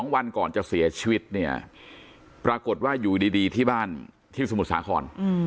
วันก่อนจะเสียชีวิตเนี่ยปรากฏว่าอยู่ดีที่บ้านที่สมุทรสาคร